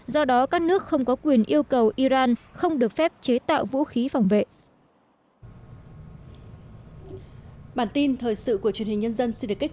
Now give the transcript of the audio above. do đó các nước không có quyền yêu cầu iran không được phép chế tạo vũ khí phòng vệ